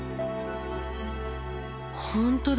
本当だ。